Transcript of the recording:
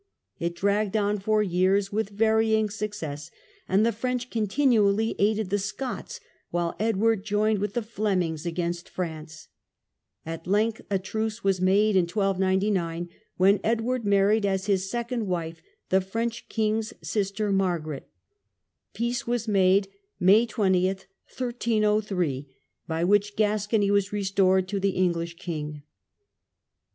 It dragged on for years with varying success, and the French continually aided the Scots, while Edward joined with the Flemings against France. At length a truce was made in 1299, when Edward married as his second wife the French king's sister, Margaret Peace was made, May 20, 1303, by which Gascony was restored to the English king.